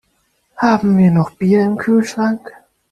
Haben wir noch Bier im Kühlschrank?